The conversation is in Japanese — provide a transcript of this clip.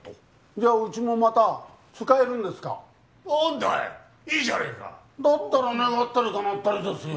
じゃうちもまた使えるんですか何だいいいじゃねえかだったら願ったり叶ったりですよ